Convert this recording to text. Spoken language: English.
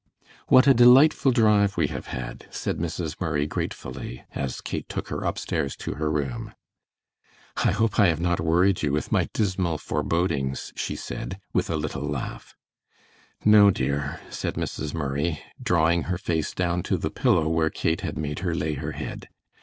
"What a delightful drive we have had," said Mrs. Murray, gratefully, as Kate took her upstairs to her room. "I hope I have not worried you with my dismal forebodings," she said, with a little laugh. "No, dear," said Mrs. Murray, drawing her face down to the pillow where Kate had made her lay her head.